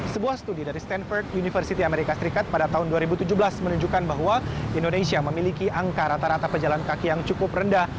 sebuah studi dari stanford university amerika serikat pada tahun dua ribu tujuh belas menunjukkan bahwa indonesia memiliki angka rata rata pejalan kaki yang cukup rendah